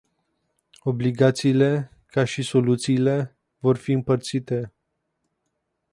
Obligațiile, ca și soluțiile, vor fi împărțite.